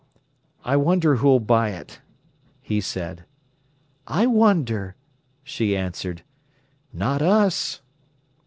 "I wonder who'll buy it!" he said. "I wonder!" she answered. "Not us."